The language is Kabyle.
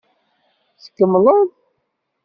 Tkemmleḍ.